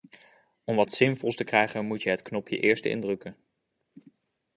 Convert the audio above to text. Om wat zinvols te krijgen moet je het knopje eerst indrukken.